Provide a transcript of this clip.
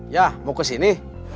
ya mau kesini